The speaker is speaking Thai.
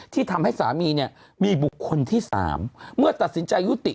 ที่ทำให้สามีเนี่ยมีบุคคลที่๓เมื่อตัดสินใจยุติ